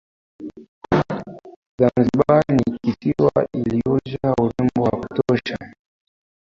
Zanzibar ni kisiwa iliyojaa urembo wa kutosha